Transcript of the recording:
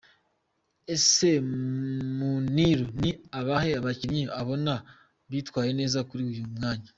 Ese Muniru ni abahe bakinnyi abona bitwaye neza kuri uyu mwanya?.